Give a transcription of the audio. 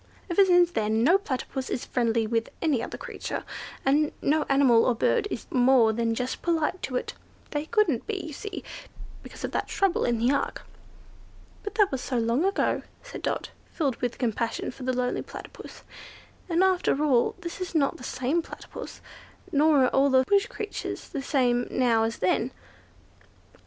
Ever since then no Platypus is friendly with any other creature, and no animal or bird is more than just polite to it. They couldn't be, you see, because of that trouble in the ark." "But that was so long ago," said Dot, filled with compassion for the lonely Platypus; "and, after all, this is not the same Platypus, nor are all the bush creatures the same now as then."